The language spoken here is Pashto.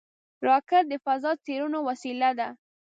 راکټ د فضا څېړنو وسیله ده